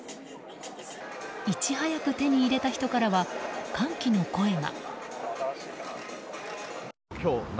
いち早く手に入れた人からは歓喜の声が。